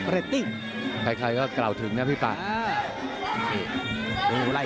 ไล่แขนเลย